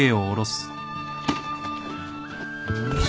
よし。